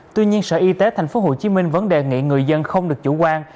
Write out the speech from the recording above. tuy nhiên sở y tế tp hcm vẫn đề nghị người dân không được chủ quan